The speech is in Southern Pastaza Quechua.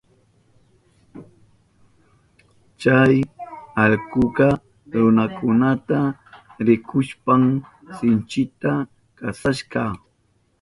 Chay allkuka runakunata rikushpan sinchita kasashka.